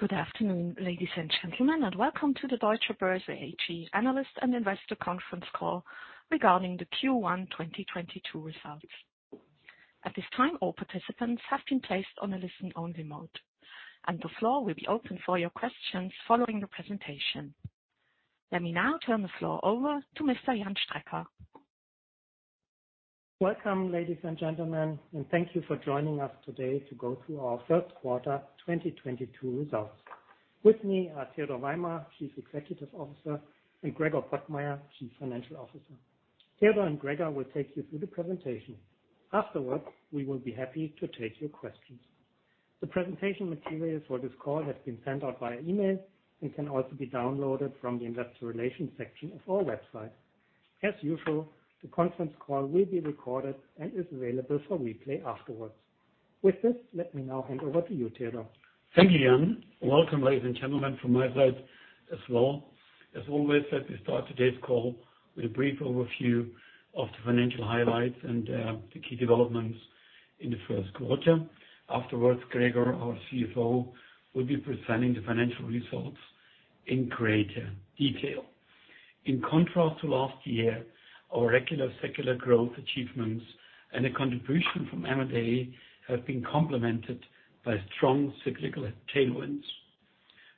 Good afternoon, ladies and gentlemen, and welcome to the Deutsche Börse AG analyst and investor conference call regarding the Q1 2022 results. At this time, all participants have been placed on a listen-only mode, and the floor will be open for your questions following the presentation. Let me now turn the floor over to Mr. Jan Strecker. Welcome, ladies and gentlemen, and thank you for joining us today to go through our third quarter 2022 results. With me are Theodor Weimer, Chief Executive Officer, and Gregor Pottmeyer, Chief Financial Officer. Theodor and Gregor will take you through the presentation. Afterwards, we will be happy to take your questions. The presentation materials for this call has been sent out via email and can also be downloaded from the investor relations section of our website. As usual, the conference call will be recorded and is available for replay afterwards. With this, let me now hand over to you, Theodor. Thank you, Jan. Welcome, ladies and gentlemen, from my side as well. As always, let me start today's call with a brief overview of the financial highlights and the key developments in the first quarter. Afterwards, Gregor, our CFO, will be presenting the financial results in greater detail. In contrast to last year, our regular secular growth achievements and the contribution from M&A have been complemented by strong cyclical tailwinds.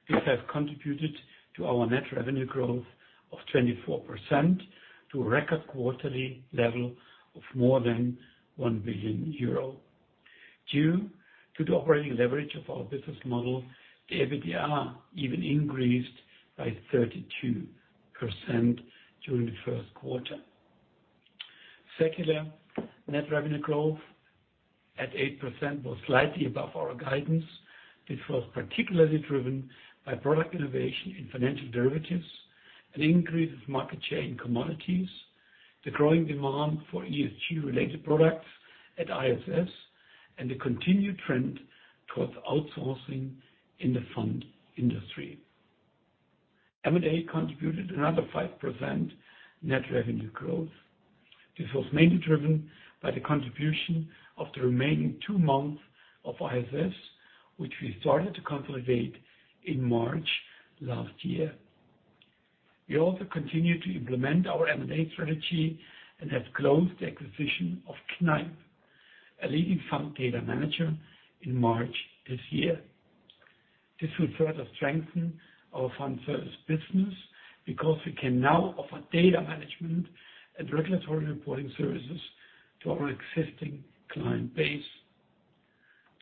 This has contributed to our net revenue growth of 24% to a record quarterly level of more than 1 billion euro. Due to the operating leverage of our business model, the EBITDA even increased by 32% during the first quarter. Secular net revenue growth at 8% was slightly above our guidance. This was particularly driven by product innovation in financial derivatives, an increase of market share in commodities, the growing demand for ESG-related products at ISS, and the continued trend towards outsourcing in the fund industry. M&A contributed another 5% net revenue growth. This was mainly driven by the contribution of the remaining two months of ISS, which we started to consolidate in March last year. We also continued to implement our M&A strategy and have closed the acquisition of Kneip, a leading fund data manager, in March this year. This will further strengthen our fund service business because we can now offer data management and regulatory reporting services to our existing client base.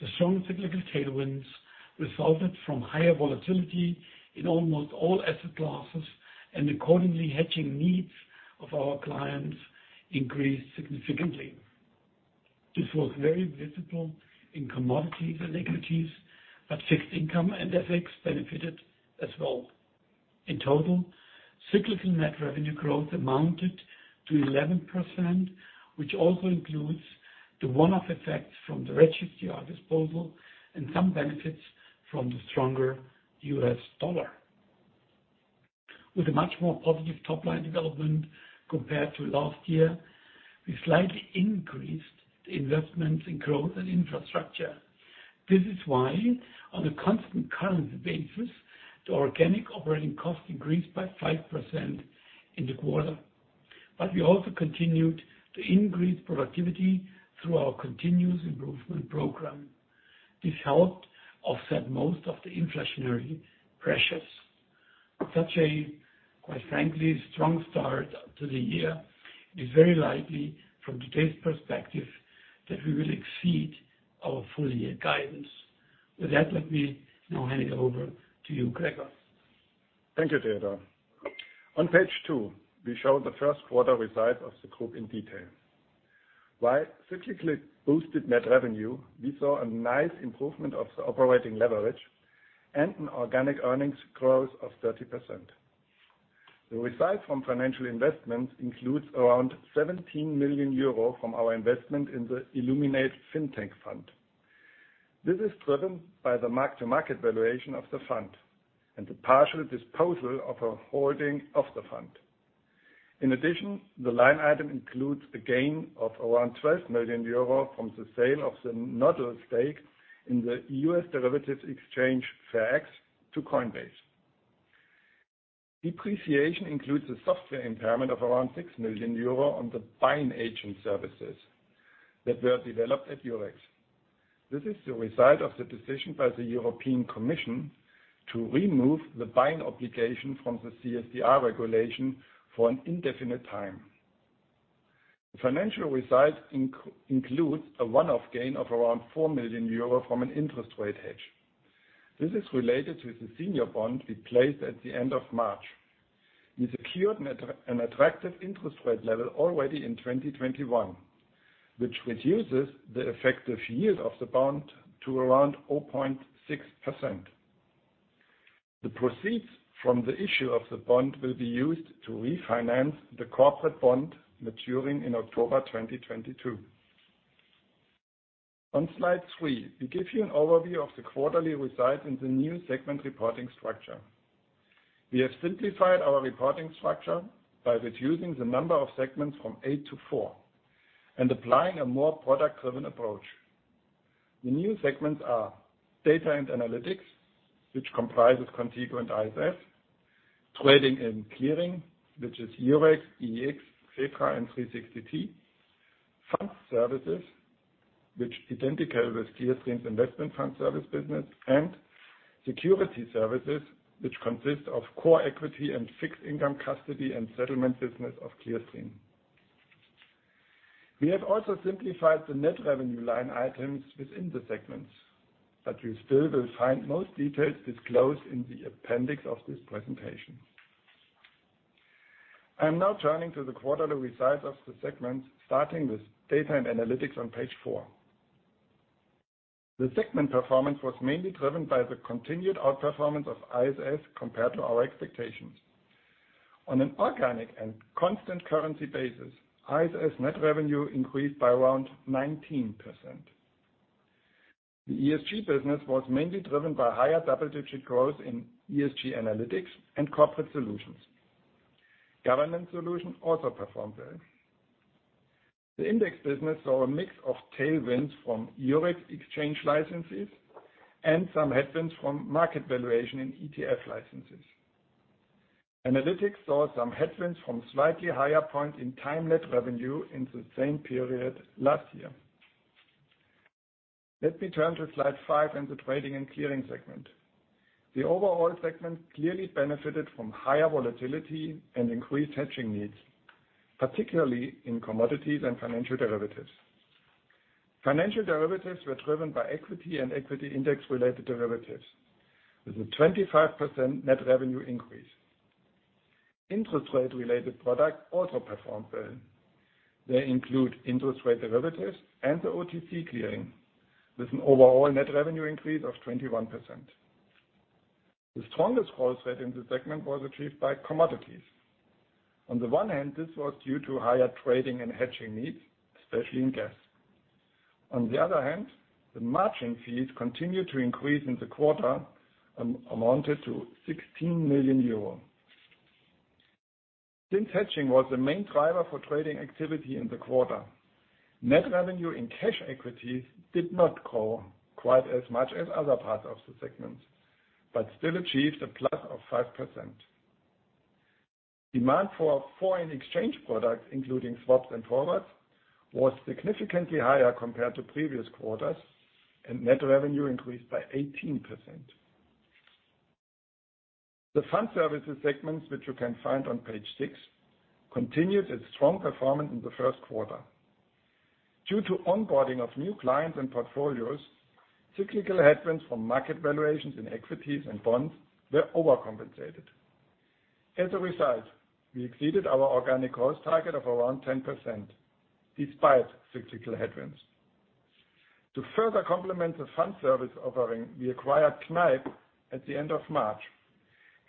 The strong cyclical tailwinds resulted from higher volatility in almost all asset classes, and accordingly, hedging needs of our clients increased significantly. This was very visible in commodities and equities, but fixed income and FX benefited as well. In total, cyclical net revenue growth amounted to 11%, which also includes the one-off effect from the REGIS-TR disposal and some benefits from the stronger US dollar. With a much more positive top-line development compared to last year, we slightly increased the investments in growth and infrastructure. This is why, on a constant currency basis, the organic operating cost increased by 5% in the quarter. We also continued to increase productivity through our continuous improvement program. This helped offset most of the inflationary pressures. Such a, quite frankly, strong start to the year is very likely from today's perspective that we will exceed our full-year guidance. With that, let me now hand it over to you, Gregor. Thank you, Theodor. On page two, we show the first quarter results of the group in detail. While cyclically boosted net revenue, we saw a nice improvement of the operating leverage and an organic earnings growth of 30%. The result from financial investments includes around 17 million euro from our investment in the Illuminate Financial. This is driven by the mark-to-market valuation of the fund and the partial disposal of our holding of the fund. In addition, the line item includes a gain of around 12 million euro from the sale of the Nodal stake in the U.S. derivatives exchange, FairX, to Coinbase. Depreciation includes a software impairment of around 6 million euro on the Buy-in Agent services that were developed at Eurex. This is the result of the decision by the European Commission to remove the buy-in obligation from the CSDR regulation for an indefinite time. The financial result includes a one-off gain of around 4 million euro from an interest rate hedge. This is related to the senior bond we placed at the end of March. We secured an attractive interest rate level already in 2021, which reduces the effective yield of the bond to around 0.6%. The proceeds from the issue of the bond will be used to refinance the corporate bond maturing in October 2022. On slide three, we give you an overview of the quarterly results in the new segment reporting structure. We have simplified our reporting structure by reducing the number of segments from 8 to 4, and applying a more product-driven approach. The new segments are Data and Analytics, which comprises Qontigo and ISS. Trading and Clearing, which is Eurex, EEX, Xetra, and 360T. Fund Services, which is identical with Clearstream's investment fund service business. Security services, which consists of core equity and fixed income custody and settlement business of Clearstream. We have also simplified the net revenue line items within the segments, but you still will find most details disclosed in the appendix of this presentation. I'm now turning to the quarterly results of the segments, starting with Data and Analytics on page four. The segment performance was mainly driven by the continued outperformance of ISS compared to our expectations. On an organic and constant currency basis, ISS net revenue increased by around 19%. The ESG business was mainly driven by higher double-digit growth in ESG analytics and corporate solutions. Governance solution also performed well. The index business saw a mix of tailwinds from Eurex exchange licenses and some headwinds from market valuation in ETF licenses. Analytics saw some headwinds from slightly higher point in time net revenue in the same period last year. Let me turn to slide five and the trading and clearing segment. The overall segment clearly benefited from higher volatility and increased hedging needs, particularly in commodities and financial derivatives. Financial derivatives were driven by equity and equity index related derivatives, with a 25% net revenue increase. Interest rate related products also performed well. They include interest rate derivatives and the OTC clearing, with an overall net revenue increase of 21%. The strongest growth rate in the segment was achieved by commodities. On the one hand, this was due to higher trading and hedging needs, especially in gas. On the other hand, the margining fees continued to increase in the quarter, amounted to 16 million euros. Since hedging was the main driver for trading activity in the quarter, net revenue in cash equities did not grow quite as much as other parts of the segment, but still achieved a plus of 5%. Demand for foreign exchange products, including swaps and forwards, was significantly higher compared to previous quarters, and net revenue increased by 18%. The Fund Services segment, which you can find on page six, continued its strong performance in the first quarter. Due to onboarding of new clients and portfolios, cyclical headwinds from market valuations in equities and bonds were overcompensated. As a result, we exceeded our organic growth target of around 10% despite cyclical headwinds. To further complement the fund service offering, we acquired Kneip at the end of March.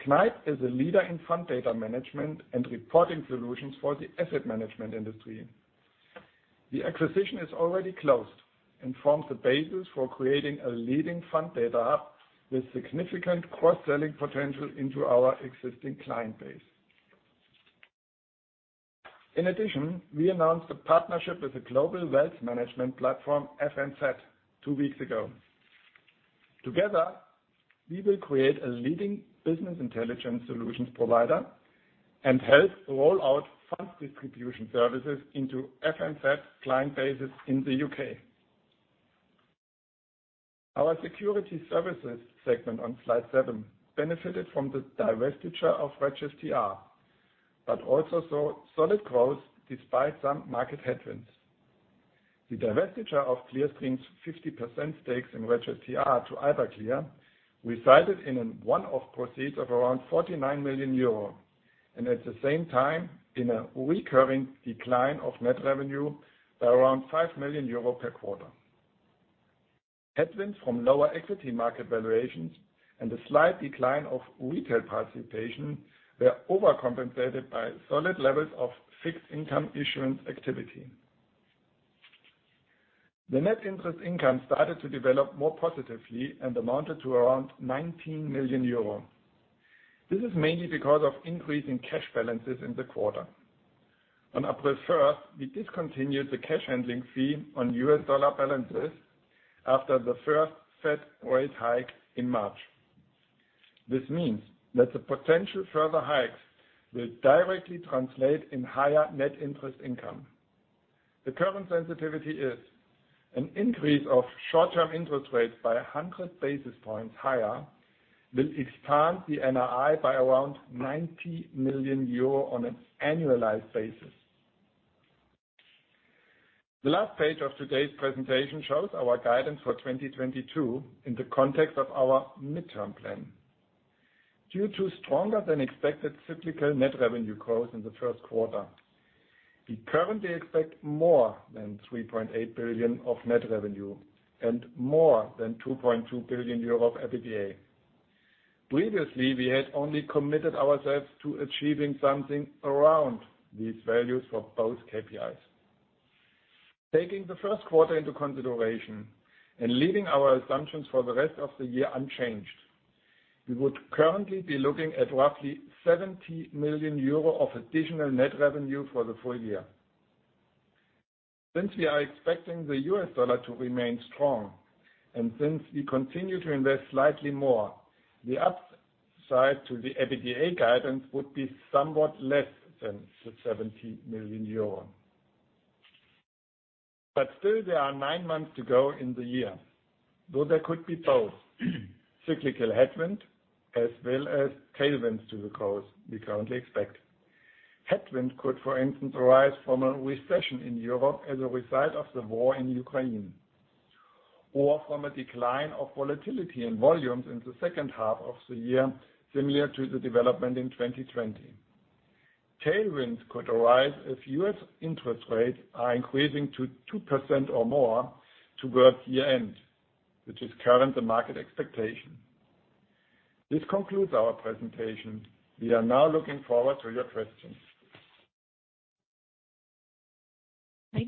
Kneip is a leader in fund data management and reporting solutions for the asset management industry. The acquisition is already closed and forms the basis for creating a leading fund data hub with significant cross-selling potential into our existing client base. In addition, we announced a partnership with a global wealth management platform, FNZ, two weeks ago. Together, we will create a leading business intelligence solutions provider and help roll out fund distribution services into FNZ client bases in the U.K. Our security services segment on slide seven benefited from the divestiture of REGIS-TR, but also saw solid growth despite some market headwinds. The divestiture of Clearstream's 50% stake in REGIS-TR to Iberclear resulted in a one-off proceeds of around 49 million euro and at the same time in a recurring decline of net revenue by around 5 million euro per quarter. Headwinds from lower equity market valuations and a slight decline of retail participation were overcompensated by solid levels of fixed income issuance activity. The net interest income started to develop more positively and amounted to around 19 million euro. This is mainly because of increase in cash balances in the quarter. On April 1st, we discontinued the cash handling fee on US dollar balances after the first Fed rate hike in March. This means that the potential further hikes will directly translate in higher net interest income. The current sensitivity is an increase of short-term interest rates by 100 basis points higher will expand the NII by around 90 million euro on an annualized basis. The last page of today's presentation shows our guidance for 2022 in the context of our midterm plan. Due to stronger than expected cyclical net revenue growth in the first quarter, we currently expect more than 3.8 billion of net revenue and more than 2.2 billion euro of EBITDA. Previously, we had only committed ourselves to achieving something around these values for both KPIs. Taking the first quarter into consideration and leaving our assumptions for the rest of the year unchanged, we would currently be looking at roughly 70 million euro of additional net revenue for the full year. Since we are expecting the US dollar to remain strong and since we continue to invest slightly more, the upside to the EBITDA guidance would be somewhat less than the 70 million euro. Still there are nine months to go in the year, though there could be both cyclical headwind as well as tailwinds to the course we currently expect. Headwind could, for instance, arise from a recession in Europe as a result of the war in Ukraine, or from a decline of volatility and volumes in the second half of the year, similar to the development in 2020. Tailwinds could arise if U.S. interest rates are increasing to 2% or more towards year-end, which is currently the market expectation. This concludes our presentation. We are now looking forward to your questions. The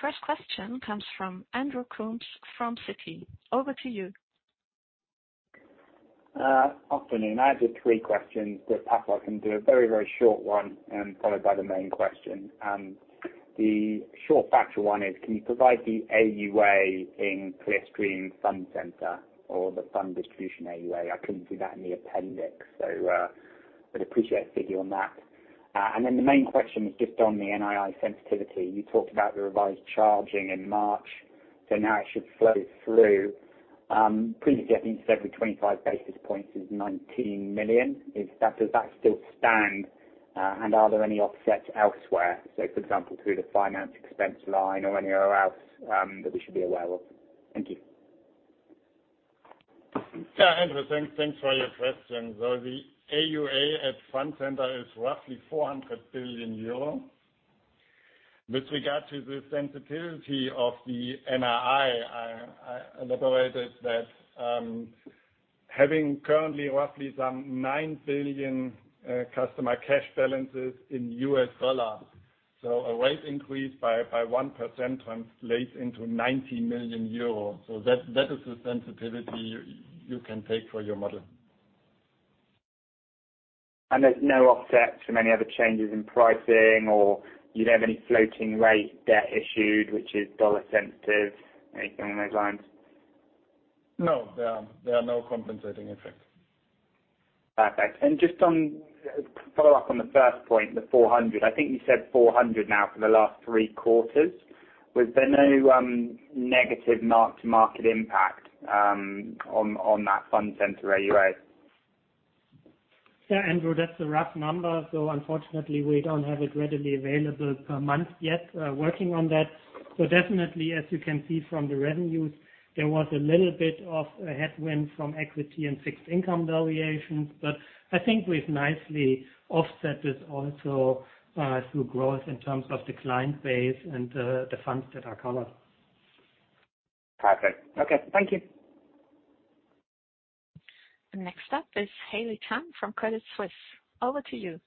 first question comes from Andrew Coombs from Citi. Over to you. Afternoon. I have just three questions, but perhaps I can do a very, very short one followed by the main question. The short factual one is, can you provide the AUA in Clearstream Fund Centre or the fund distribution AUA? I couldn't see that in the appendix, so I'd appreciate a figure on that. And then the main question is just on the NII sensitivity. You talked about the revised charging in March, so now it should flow through. Previously I think you said the 25 basis points is 19 million. Does that still stand? And are there any offsets elsewhere, say for example, through the finance expense line or anywhere else that we should be aware of? Thank you. Yeah, Andrew, thanks for your question. The AUA at Fund Centre is roughly 400 billion euro. With regard to the sensitivity of the NII, I elaborated that, having currently roughly some $9 billion customer cash balances in US dollar, so a rate increase by 1% translates into 90 million euros. That is the sensitivity you can take for your model. There's no offset from any other changes in pricing or you don't have any floating rate debt issued which is dollar sensitive? Anything along those lines? No, there are no compensating effects. Perfect. Just on to follow up on the first point, the 400. I think you said 400 now for the last three quarters. Was there no negative mark-to-market impact on that Fund Centre AUA? Yeah, Andrew, that's a rough number. Unfortunately, we don't have it readily available per month yet. Working on that. Definitely, as you can see from the revenues, there was a little bit of a headwind from equity and fixed income variations, but I think we've nicely offset this also through growth in terms of the client base and the funds that are covered. Perfect. Okay, thank you. Next up is Haley Tam from Credit Suisse. Over to you.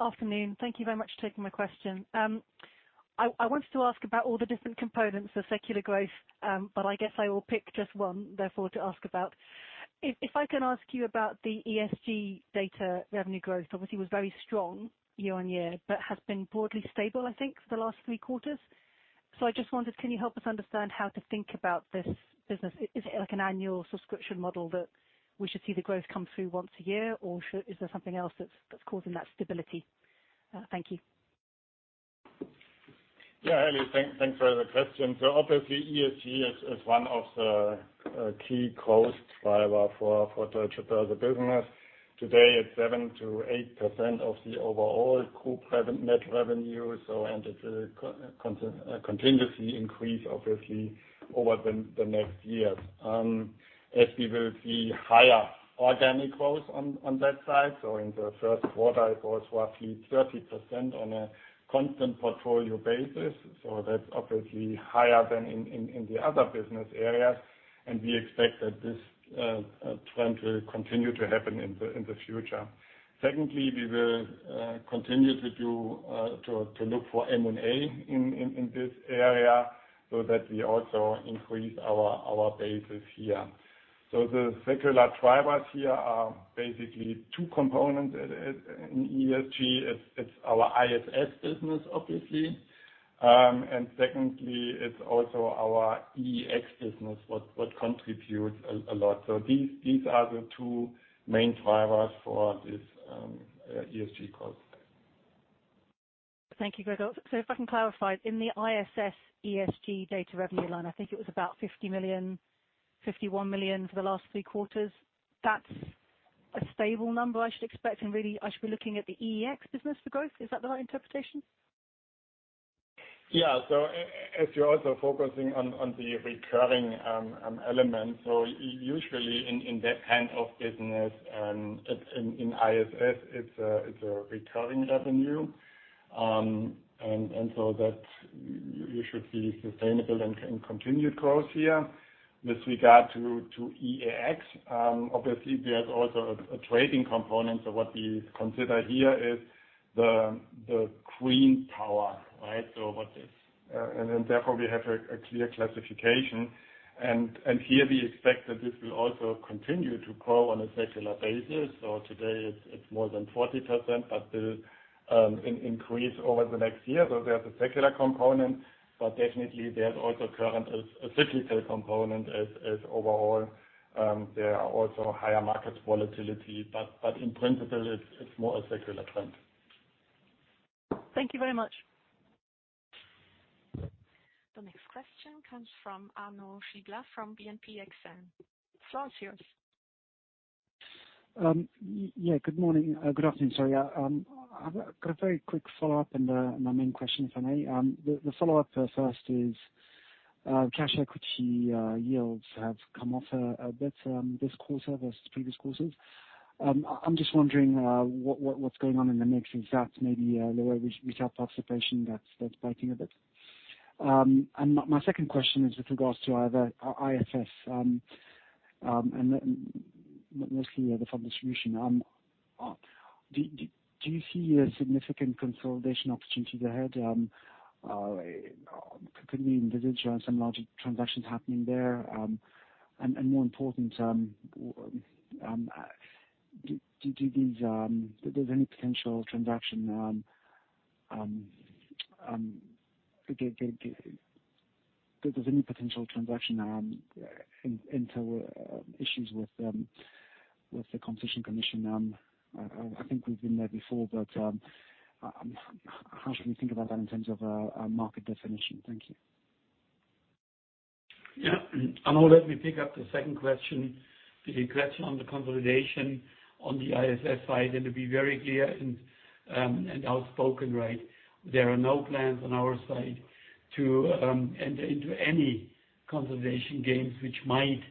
Afternoon. Thank you very much for taking my question. I wanted to ask about all the different components of secular growth, but I guess I will pick just one, therefore, to ask about. If I can ask you about the ESG data revenue growth, obviously was very strong year on year, but has been broadly stable, I think, for the last three quarters. I just wondered, can you help us understand how to think about this business? Is it like an annual subscription model that we should see the growth come through once a year, or is there something else that's causing that stability? Thank you. Yeah, Hayley, thanks for the question. Obviously, ESG is one of the key growth driver for Deutsche Börse business. Today it's 7%-8% of the overall group revenue, net revenue. It continuously increase obviously over the next years as we will see higher organic growth on that side. In the first quarter it was roughly 30% on a constant portfolio basis. That's obviously higher than in the other business areas. We expect that this trend will continue to happen in the future. Secondly, we will continue to look for M&A in this area so that we also increase our bases here. The secular drivers here are basically two components in ESG. It's our ISS business, obviously. Secondly, it's also our EEX business that contributes a lot. These are the two main drivers for this ESG growth. Thank you, Gregor. If I can clarify, in the ISS ESG data revenue line, I think it was about 50 million, 51 million for the last three quarters. That's a stable number I should expect, and really I should be looking at the EEX business for growth. Is that the right interpretation? As you're also focusing on the recurring element. Usually in that kind of business and in ISS it's a recurring revenue. You should see sustainable and continued growth here. With regard to EEX, obviously there's also a trading component. What we consider here is the green power, right? Therefore we have a clear classification. Here we expect that this will also continue to grow on a secular basis. Today it's more than 40%, but will increase over the next year. There's a secular component, but definitely there's also a cyclical component as overall there are also higher market volatility. In principle it's more a secular trend. Thank you very much. The next question comes from Arnaud Giblat from BNP Paribas Exane. The floor is yours. Good morning, good afternoon, sorry. I've got a very quick follow-up and my main question, if I may. The follow-up first is cash equity yields have come off a bit this quarter versus previous quarters. I'm just wondering what's going on in the mix. Is that maybe a lower retail participation that's breaking a bit? And my second question is with regards to either ISS and then mostly the fund distribution. Do you see a significant consolidation opportunity ahead? Could we envisage some larger transactions happening there? And more important, is there any potential transaction issues with the Competition Commission? I think we've been there before, but how should we think about that in terms of a market definition? Thank you. Yeah. Arnaud, let me pick up the second question. The question on the consolidation on the ISS side. To be very clear and outspoken, right. There are no plans on our side to enter into any consolidation gains which might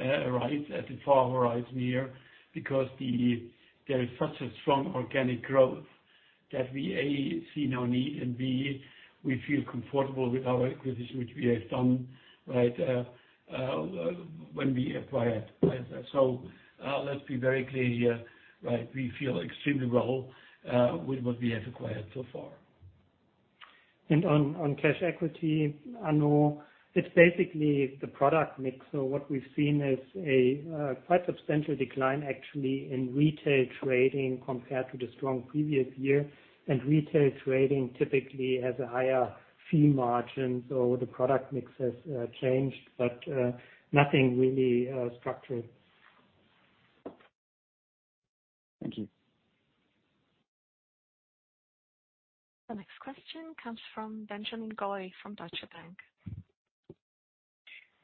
arise at the far horizon here, because there is such a strong organic growth that we, A, see no need, and B, we feel comfortable with our acquisition, which we have done, right, when we acquired ISS. Let's be very clear here, right? We feel extremely well with what we have acquired so far. On cash equity, Arnaud, it's basically the product mix. What we've seen is a quite substantial decline actually in retail trading compared to the strong previous year. Retail trading typically has a higher fee margin. The product mix has changed, but nothing really structured. Thank you. The next question comes from Benjamin Goy from Deutsche Bank.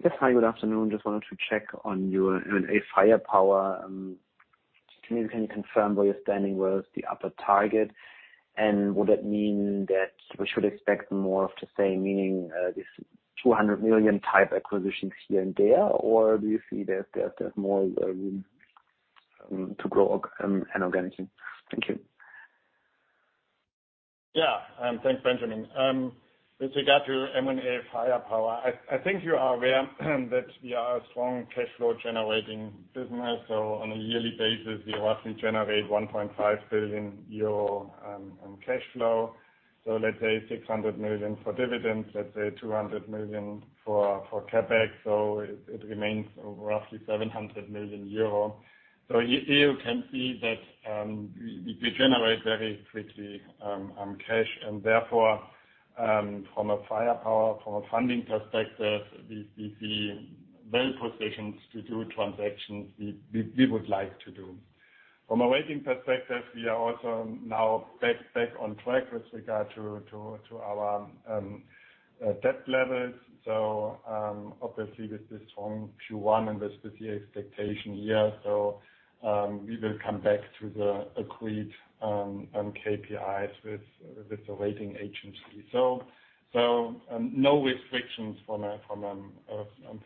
Yes. Hi, good afternoon. Just wanted to check on your M&A firepower. Can you confirm where you're standing with the upper target? Would that mean that we should expect more of the same, meaning these 200 million-type acquisitions here and there? Or do you see that there's more room to grow inorganically? Thank you. Yeah. Thanks, Benjamin. With regard to M&A firepower, I think you are aware that we are a strong cash flow generating business. On a yearly basis, we roughly generate 1.5 billion euro cash flow. Let's say 600 million for dividends, let's say 200 million for CapEx. It remains roughly 700 million euro. You can see that we generate very quickly cash and therefore from a firepower, from a funding perspective, we seem well positioned to do transactions we would like to do. From a rating perspective, we are also now back on track with regard to our debt levels. Obviously with the strong Q1 and with the expectation here. We will come back to the agreed KPIs with the rating agency. No restrictions from a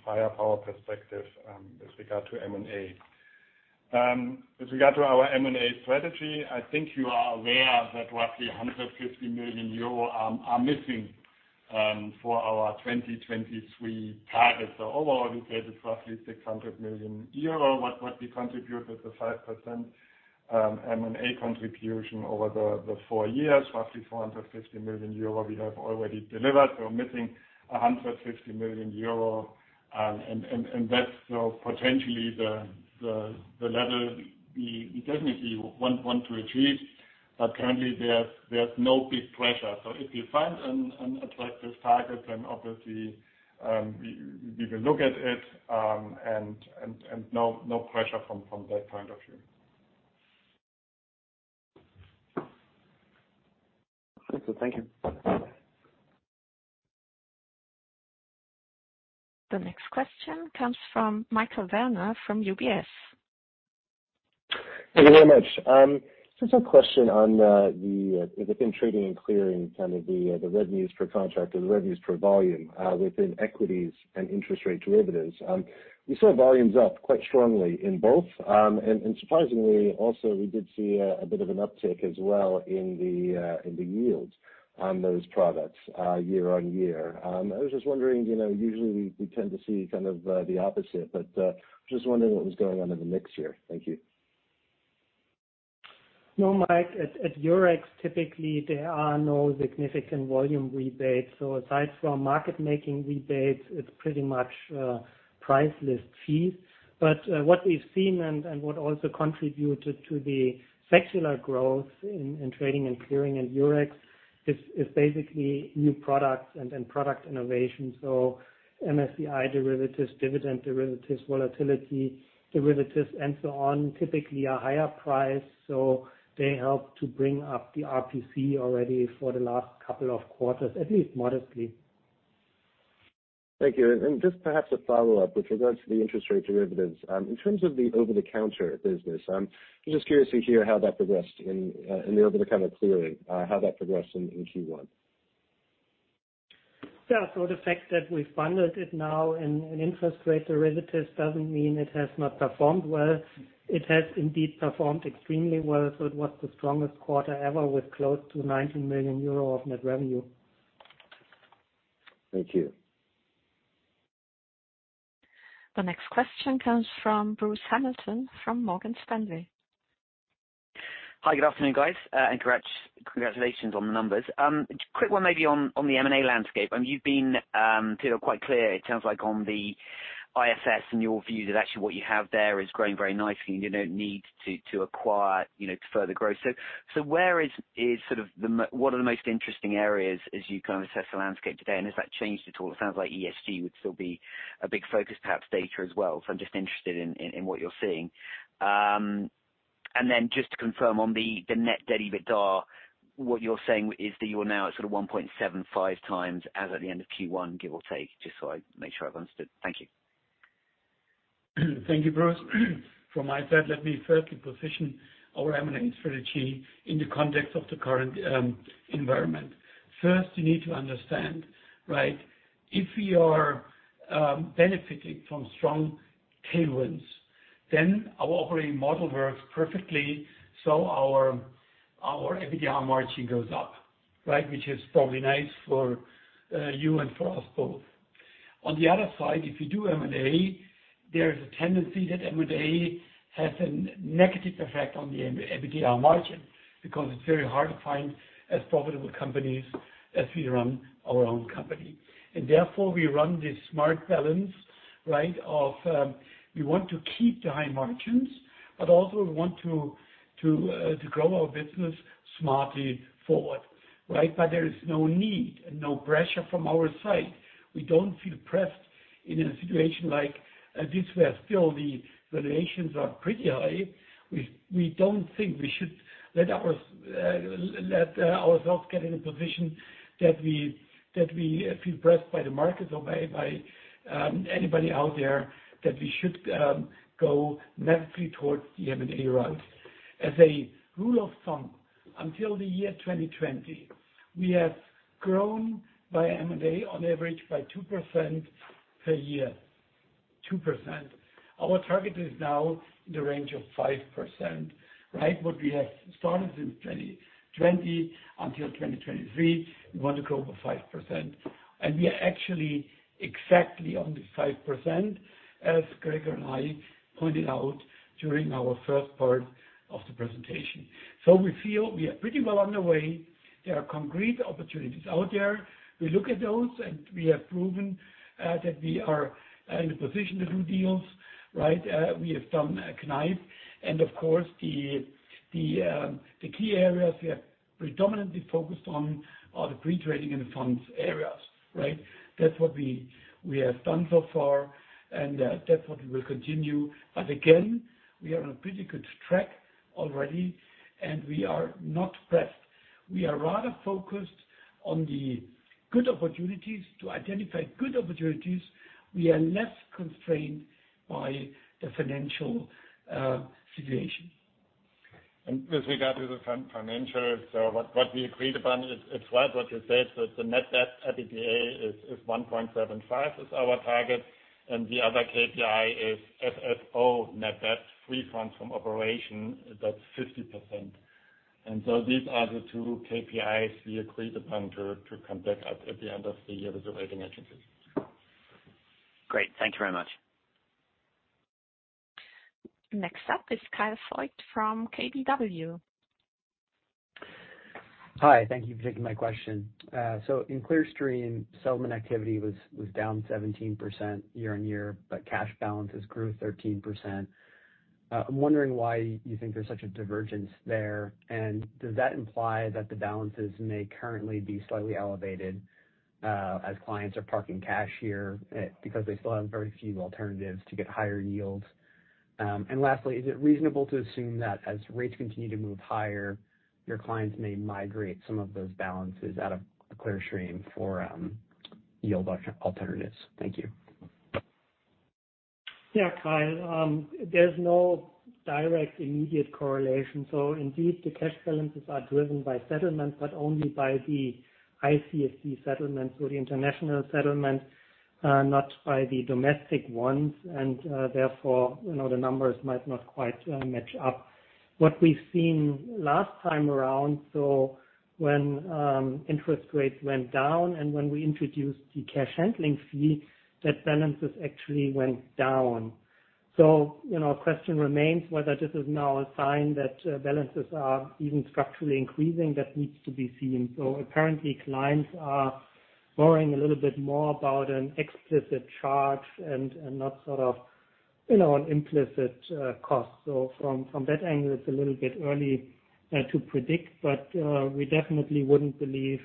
firepower perspective with regard to M&A. With regard to our M&A strategy, I think you are aware that roughly 150 million euro are missing for our 2023 target. Overall, we say it's roughly 600 million euro. What we contribute with the 5% M&A contribution over the four years, roughly 450 million euro we have already delivered. We're missing 150 million euro. And that's, you know, potentially the level we definitely want to achieve. But currently there's no big pressure. If you find an attractive target then obviously, we will look at it. No pressure from that point of view. Okay. Thank you. The next question comes from Michael Werner from UBS. Thank you very much. Just a question within trading and clearing kind of the revenues per contract or the revenues per volume within equities and interest rate derivatives. We saw volumes up quite strongly in both, and surprisingly also we did see a bit of an uptick as well in the yields on those products year on year. I was just wondering, you know, usually we tend to see kind of the opposite, but just wondering what was going on in the mix here. Thank you. No, Mike. At Eurex, typically there are no significant volume rebates. Aside from market making rebates, it's pretty much priceless fees. What we've seen and what also contributed to the secular growth in trading and clearing in Eurex is basically new products and product innovation. MSCI derivatives, dividend derivatives, volatility derivatives, and so on, typically are higher priced, so they help to bring up the RPC already for the last couple of quarters, at least modestly. Thank you. Just perhaps a follow-up with regards to the interest rate derivatives. In terms of the over-the-counter business, I'm just curious to hear how that progressed in the over-the-counter clearing in Q1. Yeah. The fact that we funded it now in interest rate derivatives doesn't mean it has not performed well. It has indeed performed extremely well. It was the strongest quarter ever with close to 90 million euro of net revenue. Thank you. The next question comes from Bruce Hamilton from Morgan Stanley. Hi, good afternoon, guys. Congratulations on the numbers. Quick one maybe on the M&A landscape. You've been, you know, quite clear it sounds like on the ISS and your view that actually what you have there is growing very nicely and you don't need to acquire, you know, to further growth. What are the most interesting areas as you kind of assess the landscape today, and has that changed at all? It sounds like ESG would still be a big focus, perhaps data as well. I'm just interested in what you're seeing. Just to confirm on the net debt EBITDA, what you're saying is that you are now at sort of 1.75x as at the end of Q1, give or take, just so I make sure I've understood. Thank you. Thank you, Bruce. From my side, let me first position our M&A strategy in the context of the current environment. First, you need to understand, right, if we are benefiting from strong tailwinds, then our operating model works perfectly, so our EBITDA margin goes up, right, which is probably nice for you and for us both. On the other side, if you do M&A, there is a tendency that M&A has a negative effect on the EBITDA margin because it's very hard to find as profitable companies as we run our own company. Therefore, we run this smart balance, right, of we want to keep the high margins, but also we want to grow our business smartly forward, right? There is no need and no pressure from our side. We don't feel pressed in a situation like this, where still the valuations are pretty high. We don't think we should let ourselves get in a position that we feel pressed by the market or by anybody out there that we should go madly towards the M&A route. As a rule of thumb, until the year 2020, we have grown by M&A on average by 2% per year. 2%. Our target is now in the range of 5%, right? What we have started in 2020 until 2023, we want to grow by 5%. We are actually exactly on the 5%, as Gregor and I pointed out during our first part of the presentation. We feel we are pretty well on the way. There are concrete opportunities out there. We look at those, and we have proven that we are in a position to do deals, right? We have done Kneip. Of course, the key areas we are predominantly focused on are the pre-trading and funds areas, right? That's what we have done so far, and that's what we will continue. Again, we are on a pretty good track already, and we are not pressed. We are rather focused on the good opportunities to identify good opportunities. We are less constrained by the financial situation. With regard to the financials, what we agreed upon is, it's what you said, that the net debt to EBITDA is 1.75, our target, and the other KPI is FFO net debt, free funds from operation, that's 50%. These are the two KPIs we agreed upon to come back at the end of the year with the rating agencies. Great. Thank you very much. Next up is Kyle Voigt from KBW. Hi. Thank you for taking my question. In Clearstream, settlement activity was down 17% year on year, but cash balances grew 13%. I'm wondering why you think there's such a divergence there, and does that imply that the balances may currently be slightly elevated, as clients are parking cash here, because they still have very few alternatives to get higher yields? Lastly, is it reasonable to assume that as rates continue to move higher, your clients may migrate some of those balances out of Clearstream for yield alternatives? Thank you. Yeah, Kyle. There's no direct immediate correlation. Indeed the cash balances are driven by settlements, but only by the ICSD settlements or the international settlements, not by the domestic ones. Therefore, you know, the numbers might not quite match up. What we've seen last time around, so when interest rates went down and when we introduced the cash handling fee, that balances actually went down. You know, question remains whether this is now a sign that balances are even structurally increasing that needs to be seen. Apparently clients are worrying a little bit more about an explicit charge and not sort of, you know, an implicit cost. From that angle it's a little bit early to predict, but we definitely wouldn't believe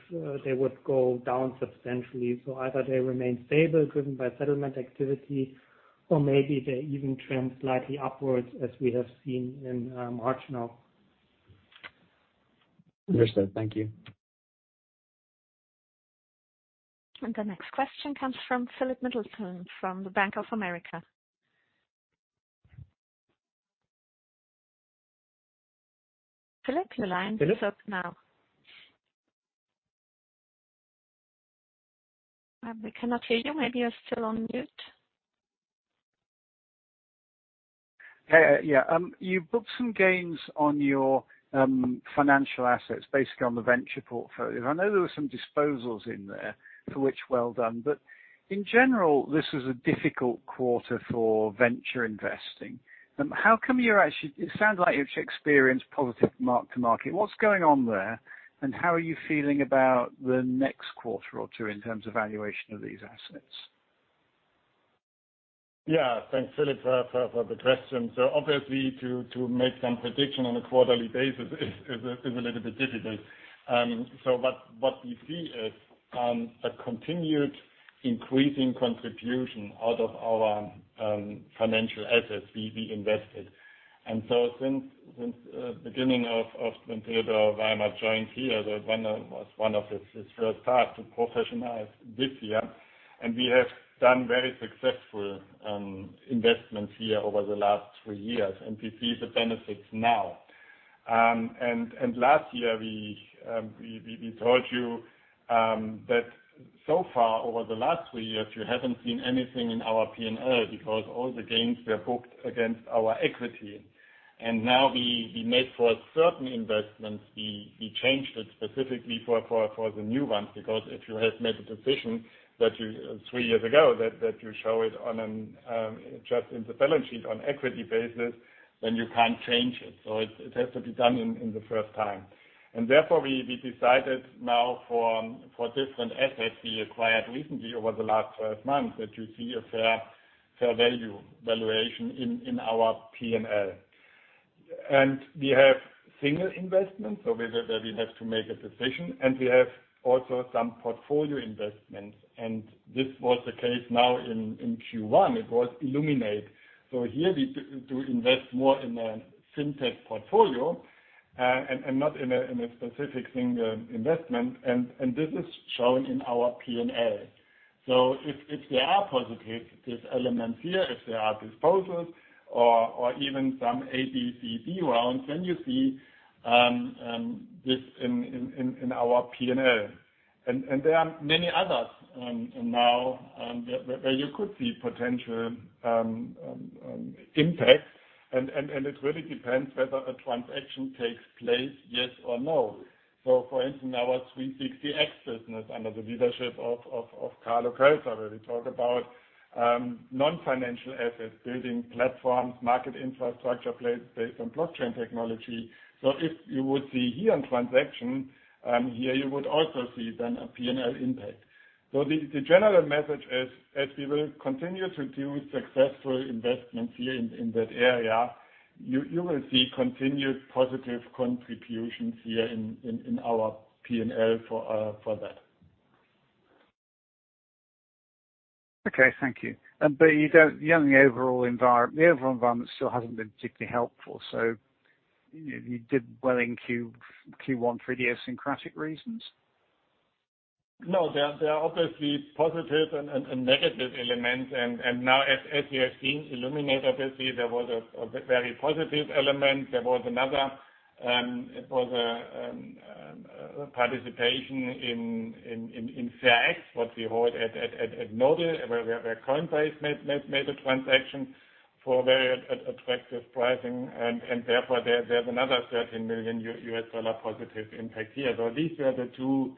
they would go down substantially. Either they remain stable driven by settlement activity or maybe they even trend slightly upwards as we have seen in March now. Understood. Thank you. The next question comes from Philip Middleton from the Bank of America. Philip, your line is open now. Philip? We cannot hear you. Maybe you're still on mute. Hey. Yeah. You've booked some gains on your financial assets, basically on the venture portfolio. I know there were some disposals in there for which well done, but in general, this was a difficult quarter for venture investing. It sounds like you've experienced positive mark-to-market. What's going on there, and how are you feeling about the next quarter or two in terms of valuation of these assets? Yeah. Thanks, Philip, for the question. Obviously to make some prediction on a quarterly basis is a little bit difficult. What we see is a continued increasing contribution out of our financial assets we invested. Since beginning of when Theodor Weimer joined here, that one was one of his first tasks to professionalize this area. We have done very successful investments here over the last three years, and we see the benefits now. Last year we told you that so far over the last three years, you haven't seen anything in our P&L because all the gains were booked against our equity. Now we made certain investments, we changed it specifically for the new ones because if you have made a decision that you three years ago that you show it just in the balance sheet on equity basis, then you can't change it. It has to be done in the first time. Therefore we decided now for different assets we acquired recently over the last 12 months that you see a fair value valuation in our P&L. We have single investments, so where we have to make a decision, and we have also some portfolio investments, and this was the case now in Q1. It was Illuminate. Here we invest more in a fintech portfolio and not in a specific single investment. This is shown in our P&L. If there are positives, these elements here, if there are disposals or even some ABCD rounds, then you see this in our P&L. There are many others now where you could see potential impact and it really depends whether a transaction takes place, yes or no. For instance, our 360X business under the leadership of Carlo Kölzer where we talk about non-financial assets, building platforms, market infrastructure based on blockchain technology. If you would see here a transaction, here you would also see then a P&L impact. The general message is as we will continue to do successful investments here in that area, you will see continued positive contributions here in our P&L for that. Okay. Thank you. The overall environment still hasn't been particularly helpful, so you did well in Q1 for idiosyncratic reasons? No, there are obviously positive and negative elements. Now, as you have seen Illuminate obviously there was a very positive element. There was another, it was a participation in FX, what we hold at Nodal, where Coinbase made a transaction for very attractive pricing and therefore there's another $13 million+ impact here. These are the two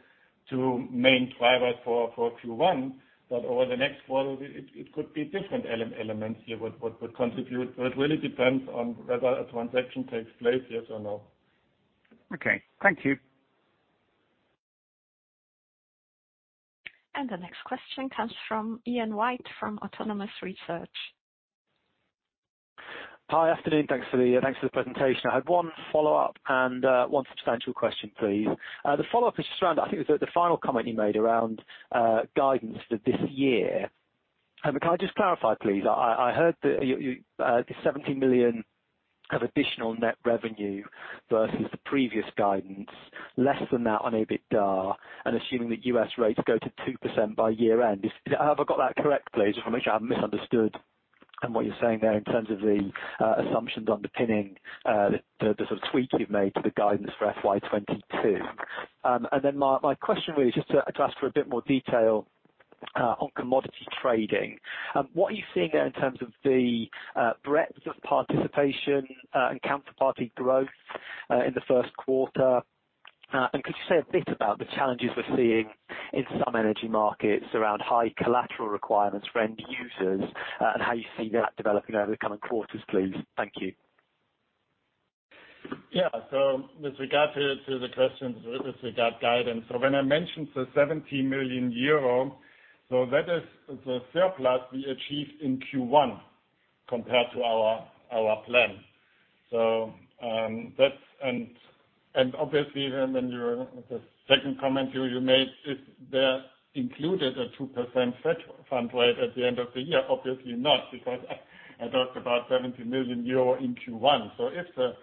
main drivers for Q1, but over the next quarter it could be different elements here what would contribute. It really depends on whether a transaction takes place, yes or no. Okay. Thank you. The next question comes from Ian White from Autonomous Research. Hi. Afternoon. Thanks for the presentation. I had one follow-up and one substantial question, please. The follow-up is just around, I think it was the final comment you made around guidance for this year. Can I just clarify, please? I heard that you the 17 million of additional net revenue versus the previous guidance, less than that on EBITDA, and assuming that U.S. rates go to 2% by year-end. Have I got that correct, please? Just to make sure I haven't misunderstood on what you're saying there in terms of the assumptions underpinning the sort of tweak you've made to the guidance for FY 2022. My question really is just to ask for a bit more detail on commodity trading. What are you seeing there in terms of the breadth of participation and counterparty growth in the first quarter? Could you say a bit about the challenges we're seeing in some energy markets around high collateral requirements for end users, and how you see that developing over the coming quarters, please? Thank you. Yeah. With regard to the questions with regard to guidance. When I mentioned the 70 million euro, that is the surplus we achieved in Q1 compared to our plan. That's and obviously then the second comment you made, if that included a 2% Fed funds rate at the end of the year, obviously not, because I talked about 70 million euro in Q1. If the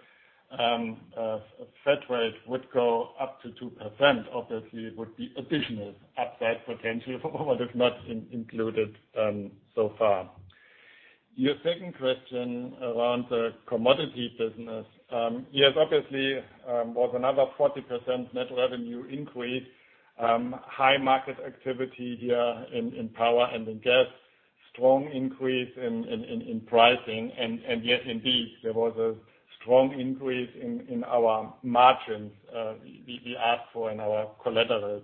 Fed funds rate would go up to 2%, obviously it would be additional upside potentially for what is not included so far. Your second question around the commodity business. Yes, obviously, was another 40% net revenue increase. High market activity here in power and in gas. Strong increase in pricing. Yes, indeed, there was a strong increase in our margins we ask for in our collaterals.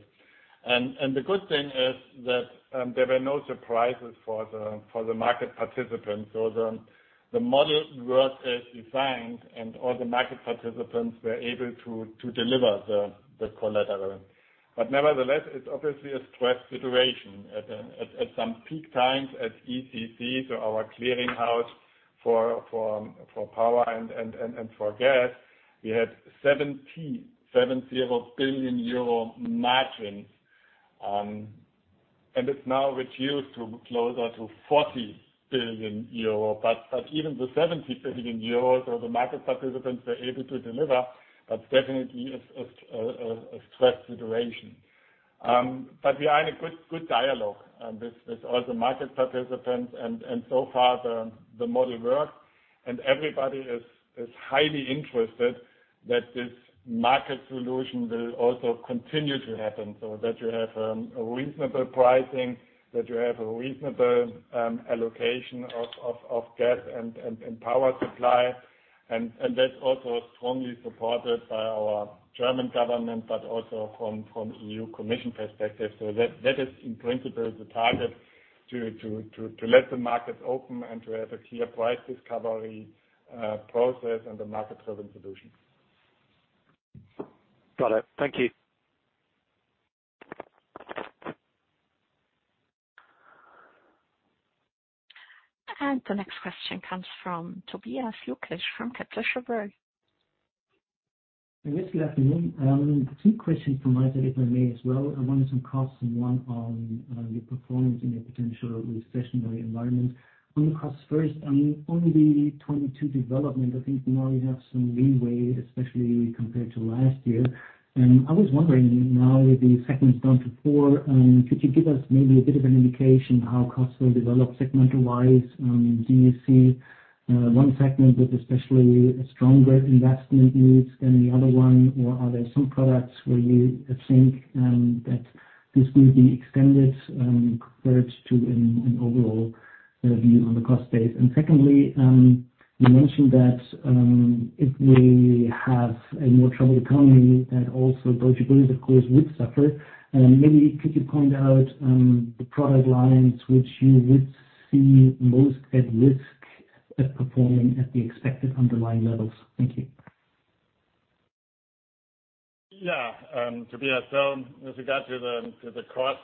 The good thing is that there were no surprises for the market participants. The model worked as designed, and all the market participants were able to deliver the collateral. Nevertheless, it's obviously a stress situation. At some peak times at ECC, so our clearing house for power and for gas, we had 77 billion euro margins. It's now reduced to closer to 40 billion euro. Even the 70 billion euros, so the market participants were able to deliver, that's definitely a stress situation. We are in a good dialogue with all the market participants. So far the model works, and everybody is highly interested that this market solution will also continue to happen, so that you have a reasonable pricing, that you have a reasonable allocation of gas and power supply. That's also strongly supported by our German government, but also from European Commission perspective. That is in principle the target to let the market open and to have a clear price discovery process and a market-driven solution. Got it. Thank you. The next question comes from Tobias Lukesch from Kepler Cheuvreux. Yes, good afternoon. Two questions from my side, if I may as well. One is on costs and one on your performance in a potential recessionary environment. On costs first, on the 2022 development, I think now you have some leeway, especially compared to last year. I was wondering now with the segments down to four, could you give us maybe a bit of an indication how costs will develop segment-wise? Do you see one segment with especially stronger investment needs than the other one? Or are there some products where you think that this will be extended compared to an overall view on the cost base? Secondly, you mentioned that if we have a more troubled economy then also Deutsche Börse of course would suffer. Maybe could you point out the product lines which you would see most at risk of performing at the expected underlying levels? Thank you. Yeah. Tobias, with regard to the cost,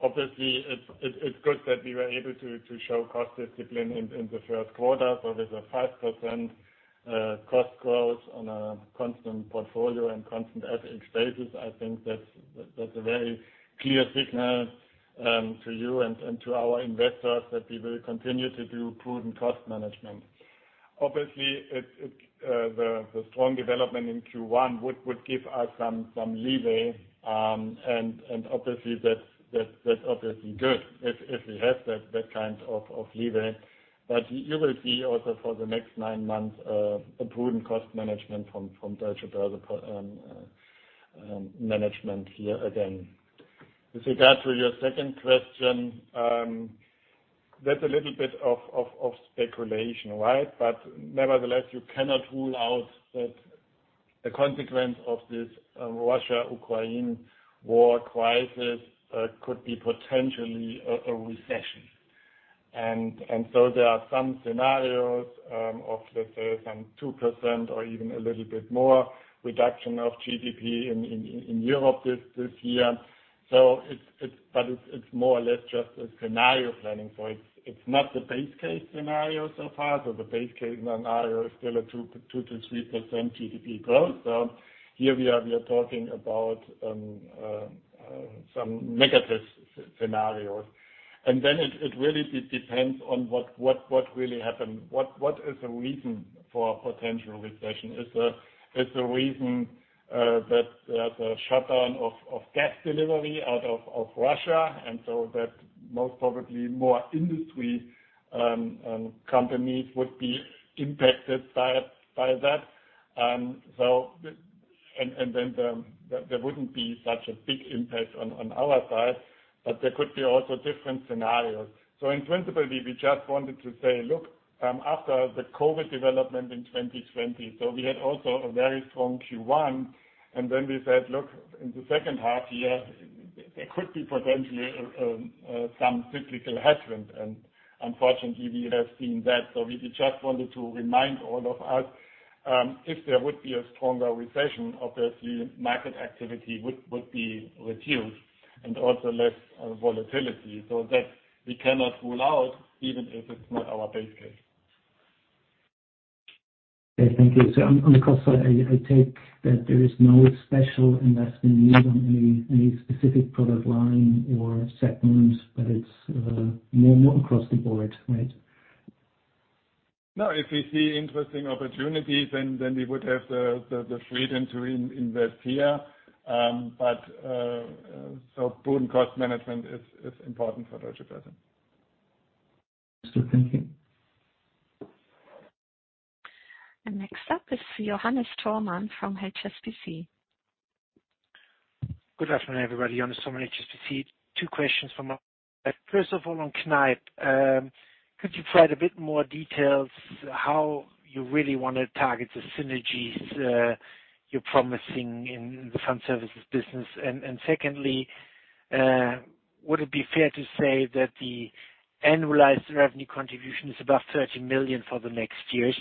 obviously it's good that we were able to show cost discipline in the first quarter. With a 5% cost growth on a constant portfolio and constant FX basis, I think that's a very clear signal to you and to our investors that we will continue to do prudent cost management. Obviously, the strong development in Q1 would give us some leeway. Obviously that's good if we have that kind of leeway. You will see also for the next nine months a prudent cost management from Deutsche Börse management here again. With regard to your second question, that's a little bit of speculation, right? Nevertheless, you cannot rule out that a consequence of this Russia-Ukraine war crisis could be potentially a recession. There are some scenarios of let's say some 2% or even a little bit more reduction of GDP in Europe this year. It's more or less just a scenario planning. It's not the base case scenario so far. The base case scenario is still a 2%-3% GDP growth. Here we are talking about some negative scenario. Then it really depends on what really happened, what is the reason for a potential recession. Is the reason that there's a shutdown of gas delivery out of Russia, and so that most probably more industry companies would be impacted by that. There wouldn't be such a big impact on our side, but there could be also different scenarios. In principle, we just wanted to say, look, after the COVID development in 2020, so we had also a very strong Q1, and then we said, look, in the second half year, there could be potentially some cyclical headwind. Unfortunately, we have seen that. We just wanted to remind all of us, if there would be a stronger recession, obviously market activity would be reduced and also less volatility. that we cannot rule out, even if it's not our base case. Okay, thank you. On the cost side, I take that there is no special investment needed on any specific product line or segment, but it's more across the board, right? No, if we see interesting opportunities, then we would have the freedom to invest here. Prudent cost management is important for Deutsche Börse. Understood. Thank you. Next up is Johannes Thormann from HSBC. Good afternoon, everybody. Johannes, HSBC. Two questions from our side. First of all, on Kneip, could you provide a bit more details how you really wanna target the synergies you're promising in the fund services business? Secondly, would it be fair to say that the annualized revenue contribution is above 13 million for the next years?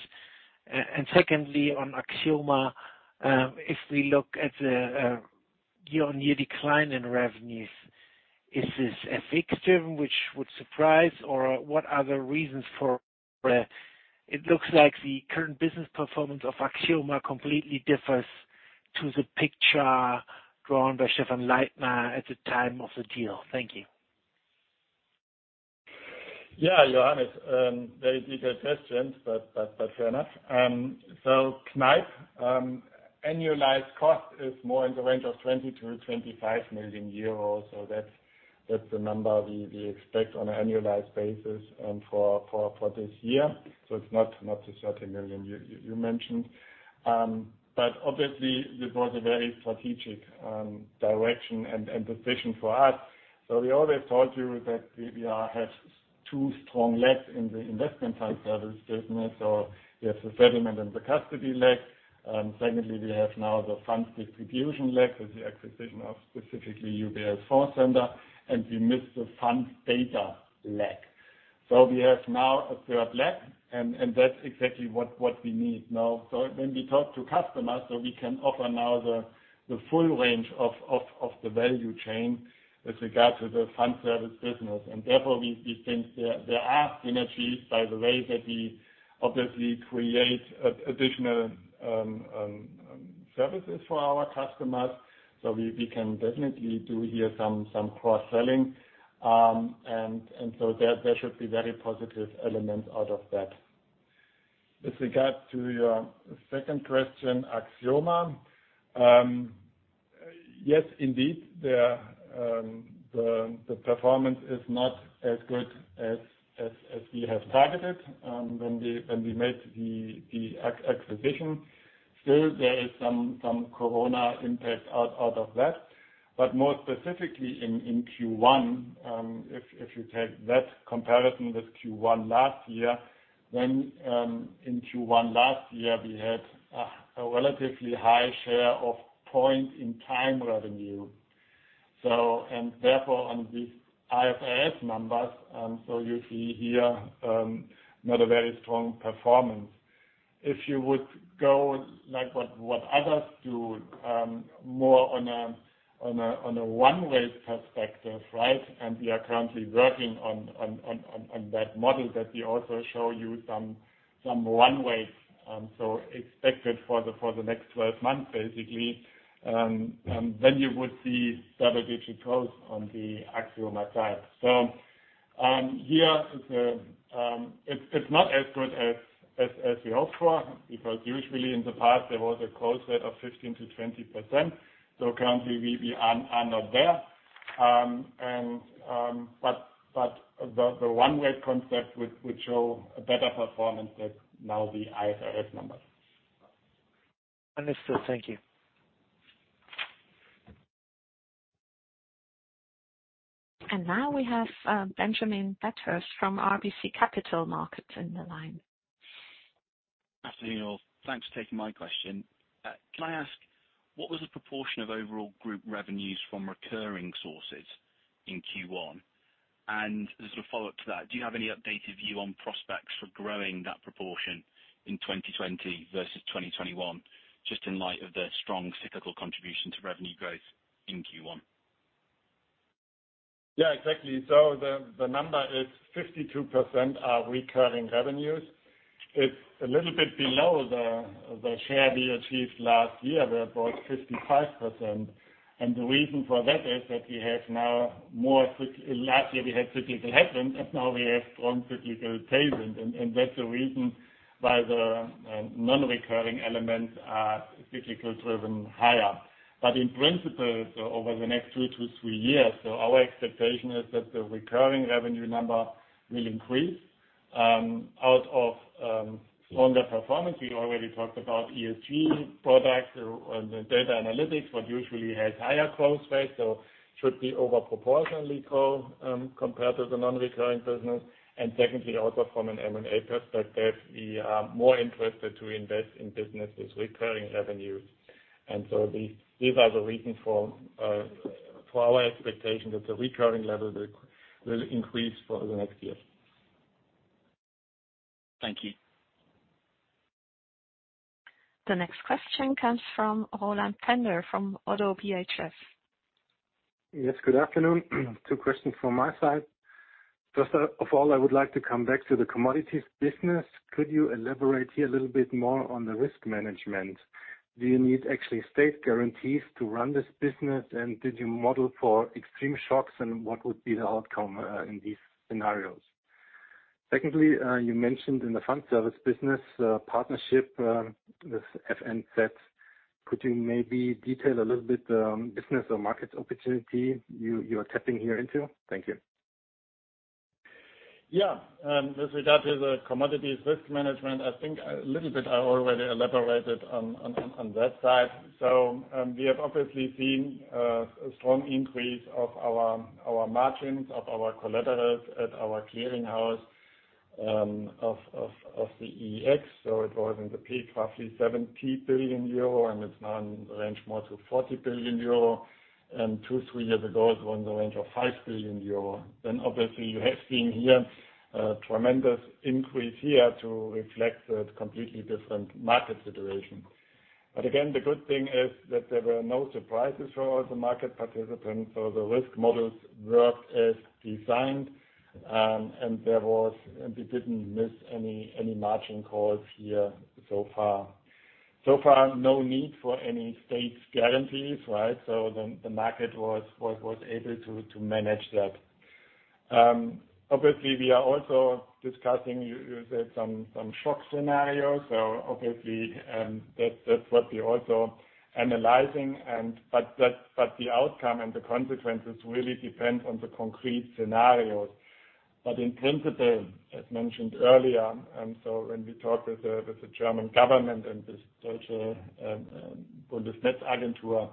Secondly, on Axioma, if we look at the year-on-year decline in revenues, is this a figure which would surprise or what are the reasons for it? It looks like the current business performance of Axioma completely differs to the picture drawn by Stephan Leithner at the time of the deal. Thank you. Yeah, Johannes, very detailed questions, but fair enough. Kneip annualized cost is more in the range of 20 million-25 million euros. That's the number we expect on an annualized basis for this year. It's not the 13 million you mentioned. But obviously, this was a very strategic direction and decision for us. We always told you that we have two strong legs in the investment fund service business. We have the settlement and the custody leg. Secondly, we have now the funds distribution leg with the acquisition of specifically UBS Fondcenter, and we missed the funds data leg. We have now a third leg and that's exactly what we need now. When we talk to customers, we can offer now the full range of the value chain with regard to the fund service business. Therefore, we think there are synergies by the way that we obviously create additional services for our customers. We can definitely do here some cross-selling. There should be very positive elements out of that. With regard to your second question, Axioma. Yes, indeed, the performance is not as good as we have targeted when we made the acquisition. Still, there is some corona impact out of that. More specifically in Q1, if you take that comparison with Q1 last year, when in Q1 last year we had a relatively high share of point in time revenue. Therefore, on these IFRS numbers, so you see here not a very strong performance. If you would go like what others do, more on a One Wave perspective, right? We are currently working on that model that we also show you some One Wave, so expected for the next 12 months, basically. You would see double-digit growth on the Axioma side. Here it is not as good as we hope for, because usually in the past there was close to 15%-20%. Currently we are not there. The One Wave concept would show a better performance than now the IFRS numbers. Understood. Thank you. Now we have Benjamin Peters from RBC Capital Markets in the line. Afternoon, all. Thanks for taking my question. Can I ask, what was the proportion of overall group revenues from recurring sources? In Q1, as a follow-up to that, do you have any updated view on prospects for growing that proportion in 2020 versus 2021, just in light of the strong cyclical contribution to revenue growth in Q1? Yeah, exactly. The number is 52% are recurring revenues. It's a little bit below the share we achieved last year where about 55%. The reason for that is last year, we had cyclical headwinds, and now we have one cyclical tailwind. And that's the reason why the non-recurring elements are cyclical driven higher. But in principle, over the next two to three years, our expectation is that the recurring revenue number will increase out of stronger performance. We already talked about ESG products or the data analytics, what usually has higher growth rates, so should be over proportionally grow compared to the non-recurring business. And secondly, also from an M&A perspective, we are more interested to invest in businesses recurring revenues. These are the reason for our expectation that the recurring level will increase for the next year. Thank you. The next question comes from Roland Pfänder from Oddo BHF. Yes, good afternoon. Two questions from my side. First of all, I would like to come back to the commodities business. Could you elaborate here a little bit more on the risk management? Do you actually need state guarantees to run this business? And did you model for extreme shocks? And what would be the outcome in these scenarios? Secondly, you mentioned in the fund service business partnership with FNZ. Could you maybe detail a little bit business or market opportunity you are tapping here into? Thank you. Yeah. With regard to the commodities risk management, I think a little bit I already elaborated on that side. We have obviously seen a strong increase of our margins, of our collaterals at our clearing house of the EEX. It was in the peak, roughly 70 billion euro, and it's now in the range more to 40 billion euro. Two, three years ago, it was in the range of 5 billion euro. Obviously you have seen here a tremendous increase here to reflect the completely different market situation. Again, the good thing is that there were no surprises for the market participants, so the risk models worked as designed, and we didn't miss any margin calls here so far. So far, no need for any state guarantees, right? The market was able to manage that. Obviously we are also discussing you said some shock scenarios. That's what we're also analyzing, but the outcome and the consequences really depend on the concrete scenarios. In principle, as mentioned earlier, when we talk with the German government and this Bundesnetzagentur,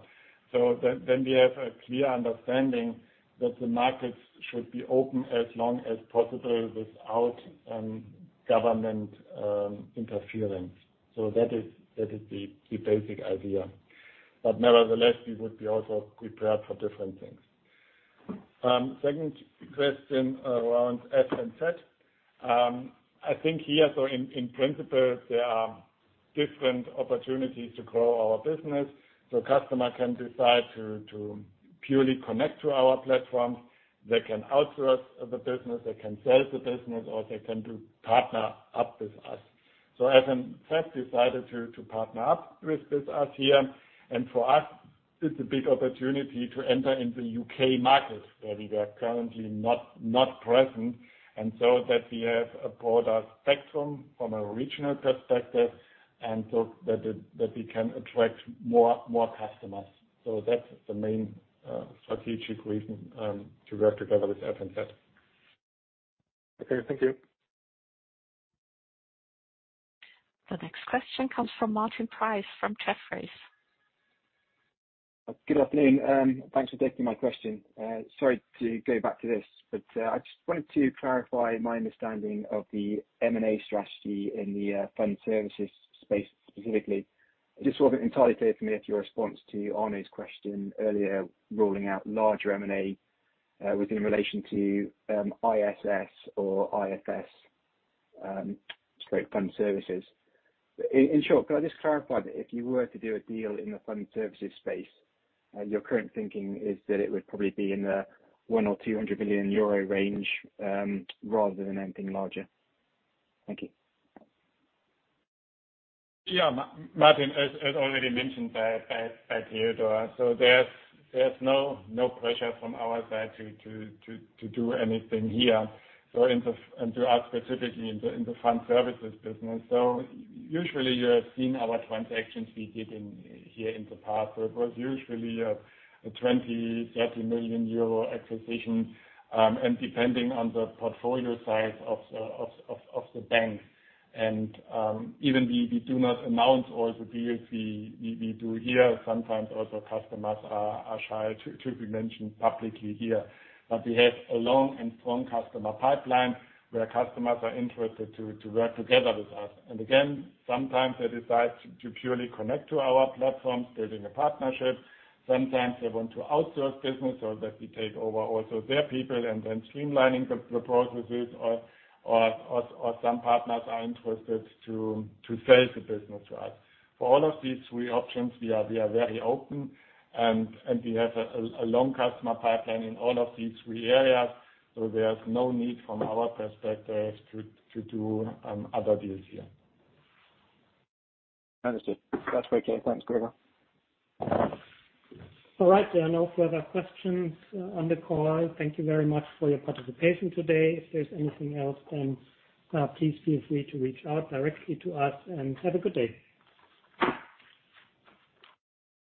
then we have a clear understanding that the markets should be open as long as possible without government interference. That is the basic idea. Nevertheless, we would also be prepared for different things. Second question around FNZ. I think here, in principle, there are different opportunities to grow our business. Customer can decide to purely connect to our platforms. They can outsource the business, they can sell the business, or they can partner up with us. FNZ decided to partner up with us here. For us, it's a big opportunity to enter the U.K. market where we are currently not present. We have a broader spectrum from a regional perspective, and that we can attract more customers. That's the main strategic reason to work together with FNZ. Okay, thank you. The next question comes from Martin Price from Jefferies. Good afternoon. Thanks for taking my question. Sorry to go back to this, but I just wanted to clarify my understanding of the M&A strategy in the fund services space specifically. It just wasn't entirely clear for me that your response to Arnaud's question earlier ruling out larger M&A was in relation to ISS or IFS straight fund services. In short, can I just clarify that if you were to do a deal in the fund services space, your current thinking is that it would probably be in the 100 billion-200 billion euro range rather than anything larger? Thank you. Yeah. Martin, as already mentioned by Theodor. There's no pressure from our side to do anything here. To us specifically in the fund services business. Usually you have seen our transactions we did here in the past, where it was usually a 20 million-30 million euro acquisition, and depending on the portfolio size of the bank. Even we do not announce all the deals we do here. Sometimes also customers are shy to be mentioned publicly here. We have a long and strong customer pipeline where customers are interested to work together with us. Again, sometimes they decide to purely connect to our platforms, building a partnership. Sometimes they want to outsource business so that we take over also their people and then streamlining the processes or some partners are interested to sell the business, right? For all of these three options, we are very open and we have a long customer pipeline in all of these three areas. There's no need from our perspective to do other deals here. Understood. That's okay. Thanks, Gregor. All right. There are no further questions on the call. Thank you very much for your participation today. If there's anything else, then, please feel free to reach out directly to us and have a good day. Thank you.